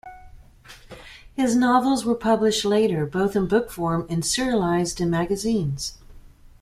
His novels were published later, both in book form and serialized in magazines.